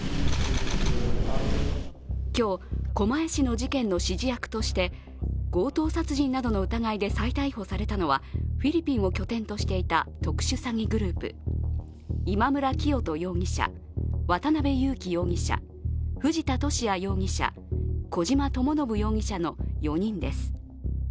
今日、狛江市の事件の指示役として強盗殺人などの疑いで再逮捕されたのはフィリピンを拠点としていた特殊詐欺グループ、今村磨人容疑者、渡辺優樹容疑者、藤田聖也容疑者、小島智信容疑者の４人です。